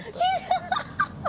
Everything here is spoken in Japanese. アハハハハ！